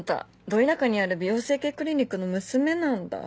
ど田舎にある美容整形クリニックの娘なんだ。